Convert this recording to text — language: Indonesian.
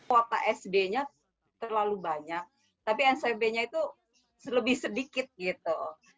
kuota sd nya terlalu banyak tapi smp nya itu lebih sedikit gitu